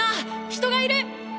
人がいる！